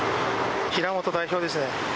平本代表ですね。